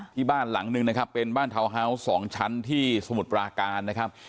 ที่บ้านหลังนึงนะครับเป็นบ้านทาวน์ฮาวส์๒ชั้นที่สมุทรปราการนะครับ